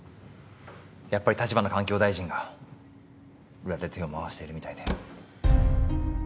やっぱり立花環境大臣が裏で手を回しているみたいで。